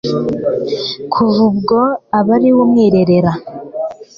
kuva ubwo aba ari we umwirerera